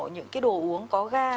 những cái đồ uống có ga